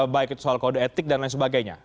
baik itu soal kode etik dan lain sebagainya